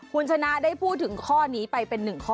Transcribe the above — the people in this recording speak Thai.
คุณชนะได้พูดถึงข้อนี้ไปเป็นหนึ่งข้อ